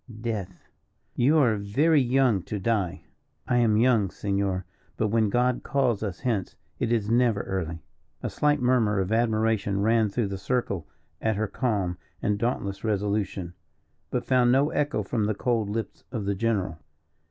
"Death." "You are very young to die." "I am young, Senor; but when God calls us hence it is never early." A slight murmur of admiration ran through the circle at her calm and dauntless resolution, but found no echo from the cold lips of the general.